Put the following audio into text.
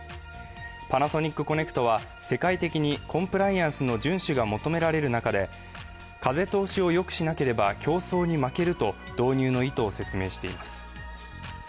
パナソニックコネクトは世界的にコンプライアンスの順守が求められる中で、風通しをよくしなければ競争に負けると導入の意図を説明しています。